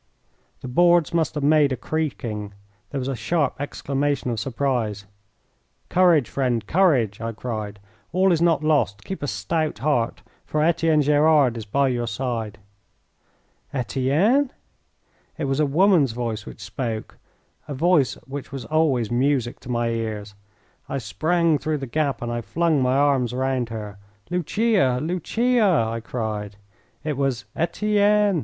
The boards must have made a creaking. There was a sharp exclamation of surprise. "Courage, friend, courage!" I cried. "All is not lost. Keep a stout heart, for Etienne Gerard is by your side." "Etienne!" It was a woman's voice which spoke a voice which was always music to my ears. I sprang through the gap and I flung my arms round her. "Lucia! Lucia!" I cried. It was "Etienne!"